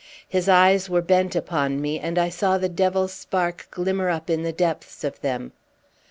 His eyes were bent upon me, and I saw the devil's spark glimmer up in the depths of them.